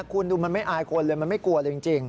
คุณดูมันไม่อายคนเลยมันไม่กลัวเลยจริง